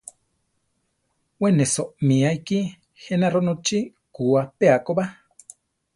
We ne soʼmía ikí je na ronochí kú apéa ko ba.